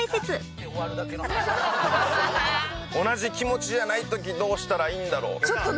「同じ気持ちじゃないときどうしたらいいんだろ」